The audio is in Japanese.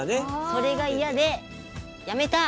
それがいやでやめた！